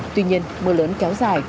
tuy nhiên mưa lớn kéo dài